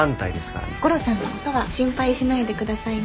ゴロさんの事は心配しないでくださいね。